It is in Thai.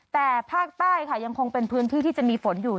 แต่ภาคใต้ค่ะยังคงเป็นพื้นที่ที่จะมีฝนอยู่